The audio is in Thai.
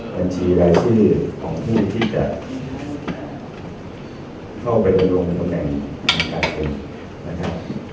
บัญชีรายชื่อของผู้ที่จะเข้าไปบนโรงการแบ่งธรรมกัดขึ้นนะครับ